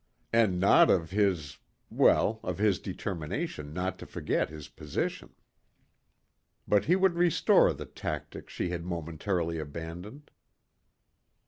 And not of his well, of his determination not to forget his position. But he would restore the tactic she had momentarily abandoned.